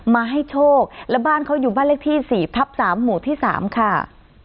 มาให้โชคและบ้านเขาอยู่บ้านเลขที่๔ทับ๓หมู่ที่๓ค่ะ